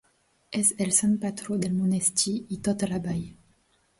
És el sant patró del monestir i tota la vall.